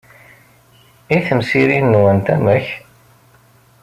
I temsirin-nwent, amek?